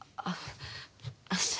あっ。